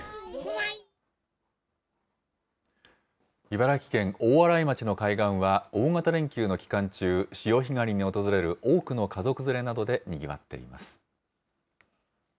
茨城県大洗町の海岸は、大型連休の期間中、潮干狩りに訪れる多くの家族連れなどでにぎわっています。